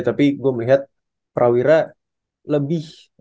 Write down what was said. tapi gue melihat prawira lebih